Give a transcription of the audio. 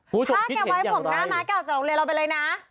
ถ้าแกไว้ผมหน้าม้าแกออกจากโรงเรียนเราไปเลยนะ